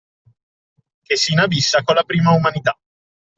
Che s’inabissa con la prima umanità